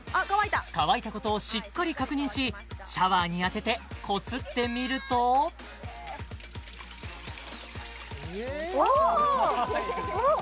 乾いたことをしっかり確認しシャワーに当ててこすってみるとおおっ！